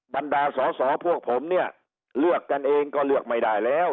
บรรดาสอสอพวกผมเนี่ยเลือกกันเองก็เลือกไม่ได้แล้ว